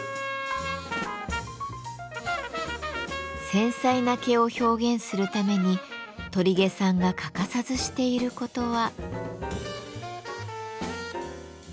繊細な毛を表現するために鳥毛さんが欠かさずしていることは。